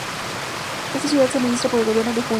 Esta ciudad se administra por el gobierno de Jinan.